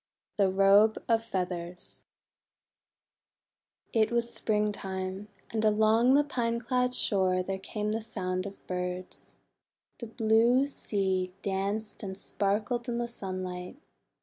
THE ROBE OF FEATHERS Japanese Myth IT was Springtime, and along the pine clad shore there came the sound of birds. The blue sea danced and sparkled in the sunlight.